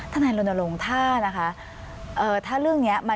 ฐนไอนรณรงร์ถ้าเรื่องนี้